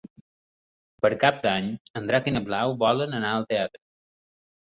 Per Cap d'Any en Drac i na Blau volen anar al teatre.